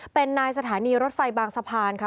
เป็นนายสถานีรถไฟบางสะพานค่ะ